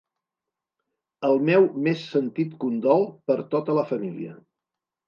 El meu més sentit condol per tota la família.